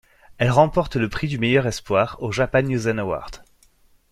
Elle remporte le prix du Meilleur Espoir au Japan Yusen Award.